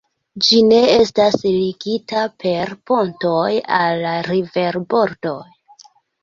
Ĝi ne estas ligita per pontoj al la riverbordoj.